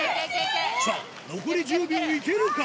さぁ残り１０秒でいけるか？